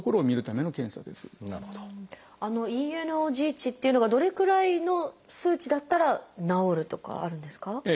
値っていうのがどれくらいの数値だったら治るとかはあるんですか？